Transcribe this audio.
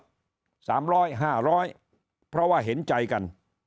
๓๐๐๕๐๐เพราะว่าเห็นใจกัน